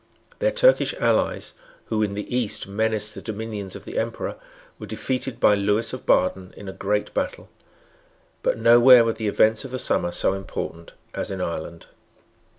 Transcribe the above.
Their Turkish allies, who in the east menaced the dominions of the Emperor, were defeated by Lewis of Baden in a great battle. But nowhere were the events of the summer so important as in Ireland.